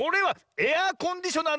エアコンディショナー？